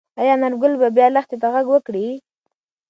ايا انارګل به بیا لښتې ته غږ وکړي؟